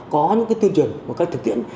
có những cái tuyên truyền và các thực tiễn